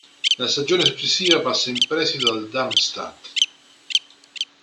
La stagione successiva passa in prestito al Darmstadt.